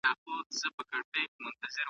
ایا تاسو د سنډویچ نوم اورېدلی دی؟